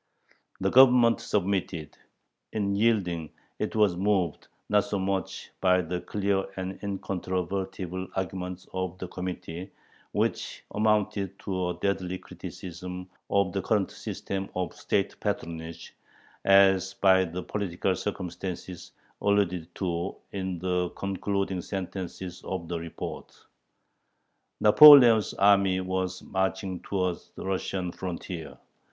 The Government submitted. In yielding it was moved not so much by the clear and incontrovertible arguments of the Committee, which amounted to a deadly criticism of the current system of state patronage, as by the "political circumstances" alluded to in the concluding sentences of the report. Napoleon's army was marching towards the Russian frontier.